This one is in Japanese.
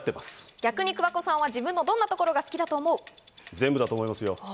逆に桑子さんは自分のどんなところが好きだと思う？